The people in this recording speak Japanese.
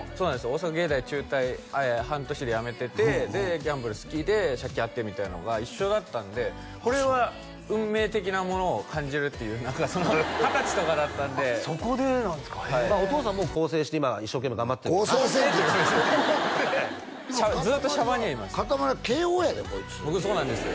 大阪芸大中退半年でやめててでギャンブル好きで借金あってみたいなのが一緒だったんでこれは運命的なものを感じるっていう何かその二十歳とかだったんでそこでなんですかお父さんもう更生して今一生懸命頑張ってるけどな更生って更生でもかたまりは慶應やでこいつ僕そうなんです